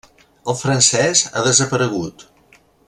El francès ha desaparegut.